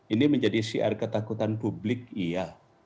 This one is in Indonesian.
ini menjadi siar ketakutan publik iya